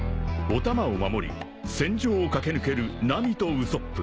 ［お玉を守り戦場を駆け抜けるナミとウソップ］